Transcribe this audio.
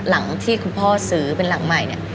หลังที่คุณพ่อซื้อเป็นหลังใหม่เนี่ย